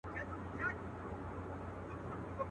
په پستو رېګو د ساحل کي دي تصویر جوړوم.